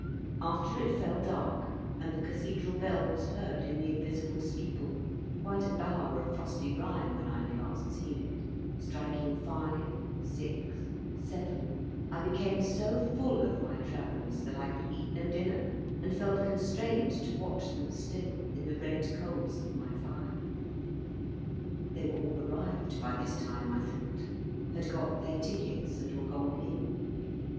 After it fell dark, and the Cathedral bell was heard in the invisible steeple quite a bower of frosty rime when I had last seen it striking five, six, seven, I became so full of my Travellers that I could eat no dinner, and felt constrained to watch them still in the red coals of my fire. They were all arrived by this time, I thought, had got their tickets, and were gone in.